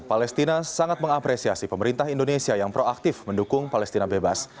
palestina sangat mengapresiasi pemerintah indonesia yang proaktif mendukung palestina bebas